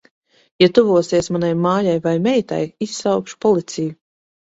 Ja tuvosies manai mājai vai meitai, izsaukšu policiju.